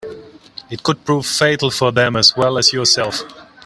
It could prove fatal for them as well as yourself.